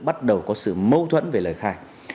bắt đầu có sự mâu thuẫn về lời khai